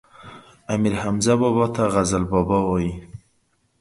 امير حمزه بابا ته غزل بابا وايي